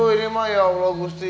ini ya allah gusti